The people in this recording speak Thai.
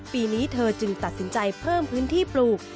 ปีนี้เธอจึงตัดสินใจเพิ่มพื้นที่ปลูก